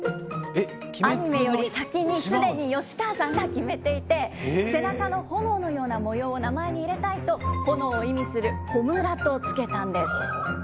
アニメより先にすでに吉川さんが決めていて、背中の炎のような模様を名前に入れたいと、炎を意味するホムラと付けたんです。